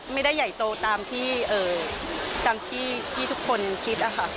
ไม่ได้ใหญ่โตตามที่ทุกคนคิดนะฮะ